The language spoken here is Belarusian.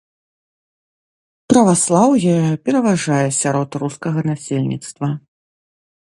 Праваслаўе пераважае сярод рускага насельніцтва.